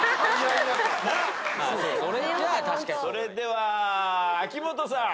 それでは秋元さん。